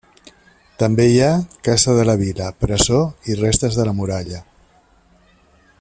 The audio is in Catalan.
També hi ha Casa de la vila, presó i restes de la muralla.